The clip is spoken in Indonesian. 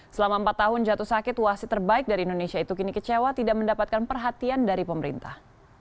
selama empat tahun jatuh sakit wasit terbaik dari indonesia itu kini kecewa tidak mendapatkan perhatian dari pemerintah